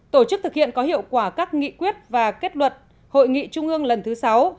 tổ chức thực hiện có hiệu quả các nghị quyết và kết luận hội nghị trung ương lần thứ sáu